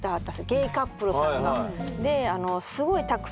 ゲイカップルさんが。